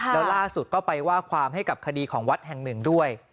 แล้วล่าสุดก็ไปว่าความให้กับคดีของวัดแห่งหนึ่งด้วย